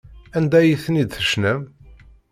Anda ay ten-id-tecnam?